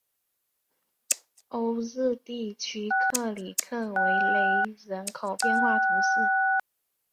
欧日地区克里克维勒人口变化图示